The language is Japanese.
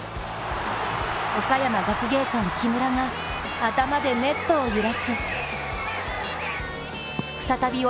岡山学芸館・木村が頭でネットを揺らす。